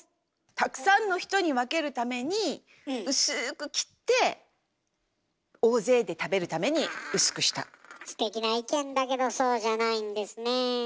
たくさんの人に分けるために薄く切ってステキな意見だけどそうじゃないんですね。